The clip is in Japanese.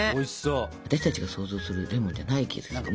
私たちが想像するレモンじゃない気がするね。